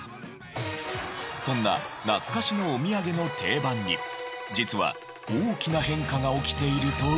そんな懐かしのおみやげの定番に実は大きな変化が起きているという。